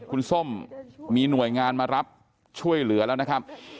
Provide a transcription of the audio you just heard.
คุณส้มมีหน่วยงานมารับช่วยเหลือแล้วนะครับ